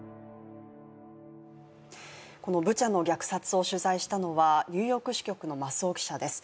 このブチャの虐殺を取材したのはニューヨーク支局の増尾記者です